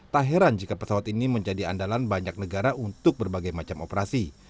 tak heran jika pesawat ini menjadi andalan banyak negara untuk berbagai macam operasi